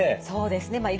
そうですね。